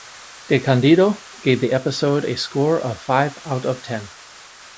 DeCandido gave the episode a score of five out of ten.